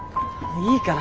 いいから。